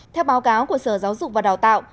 theo báo cáo của sở giáo dục và đào tạo